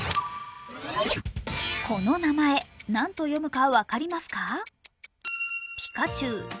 この名前、何と読むか分かりますか？